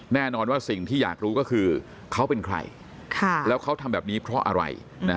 แน่นอนว่าสิ่งที่อยากรู้ก็คือเขาเป็นใครแล้วเขาทำแบบนี้เพราะอะไร